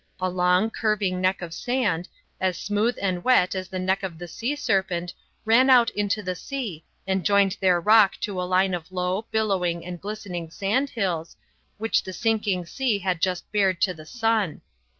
A long, curving neck of sand, as smooth and wet as the neck of the sea serpent, ran out into the sea and joined their rock to a line of low, billowing, and glistening sand hills, which the sinking sea had just bared to the sun.